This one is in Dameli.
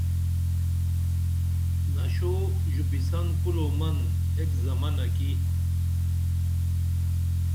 نشو ژُپسن کُل او من ایک زمنہ کی